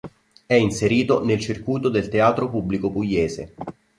È inserito nel circuito del Teatro Pubblico Pugliese.